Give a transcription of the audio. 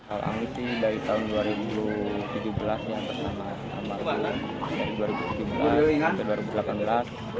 al anggi dari tahun dua ribu tujuh belas yang pertama